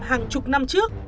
hàng chục năm trước